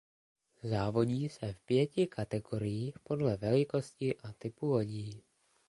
Závodí se v pěti kategoriích podle velikosti a typu lodí.